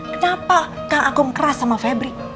kenapa kak aku keras sama febri